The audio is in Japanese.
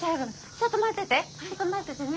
ちょっと待っててね。